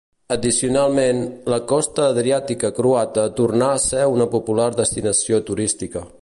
Addicionalment, la costa adriàtica croata tornà a ser una popular destinació turística.